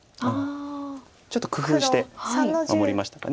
ちょっと工夫して守りましたか。